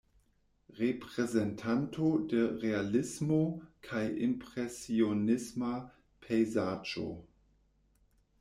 Reprezentanto de realismo kaj impresionisma pejzaĝo.